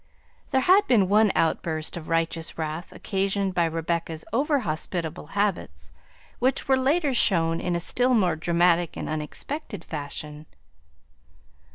There had been one outburst of righteous wrath occasioned by Rebecca's over hospitable habits, which were later shown in a still more dramatic and unexpected fashion.